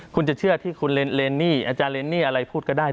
คุณจะเชื่อที่คุณเรนนี่อาจารย์เรนนี่อะไรพูดก็ได้